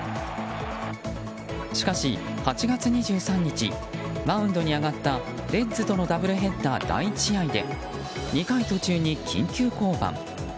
しかし、８月２３日マウンドに上がったレッズとのダブルヘッダー第１試合で２回途中に緊急降板。